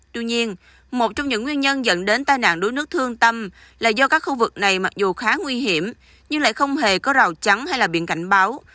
tuy nhiên một trong những nguyên nhân dẫn đến tai nạn đuối nước thương tâm là do các khu vực này mặc dù khá nguy hiểm nhưng lại không hề có rào trắng hay là biển cảnh báo